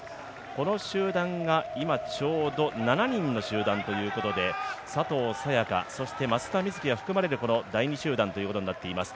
この集団がちょうど七人の集団ということで佐藤早也伽、松田瑞生が含まれる第２集団となっています。